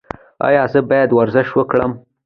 ایا زه باید ورزش وکړم؟